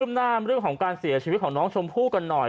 หน้าเรื่องของการเสียชีวิตของน้องชมพู่กันหน่อย